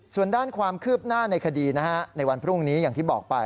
ส่วนด้านความคืบหน้าในคดีในวันพรุ่งนี้อย่างที่บอกไป